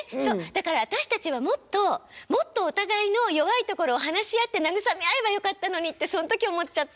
だから私たちはもっともっとお互いの弱いところを話し合って慰め合えばよかったのにってその時思っちゃった。